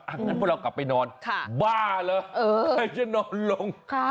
งั้นพวกเรากลับไปนอนบ้าเหรอใครจะนอนลง